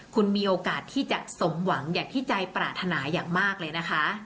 คุณมีโอกาสที่จะสมหวังอย่างที่ใจปรารถนาอย่างมากเลยนะคะ